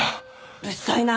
うるさいな。